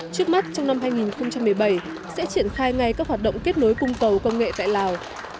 trước mắt trong năm hai nghìn một mươi bảy sẽ triển khai ngay các hoạt động kết nối cung cầu công nghệ tại lào